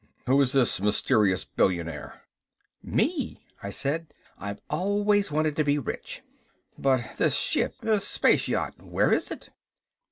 "Who is this mysterious billionaire?" "Me," I said. "I've always wanted to be rich." "But this ship, the space yacht, where is it?"